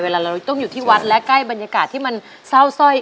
เราต้องอยู่ที่วัดและใกล้บรรยากาศที่มันเศร้าสร้อย